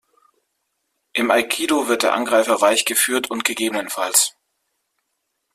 Im Aikidō wird der Angreifer weich geführt und ggf.